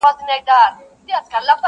زغره د همت په تن او هیلي یې لښکري دي,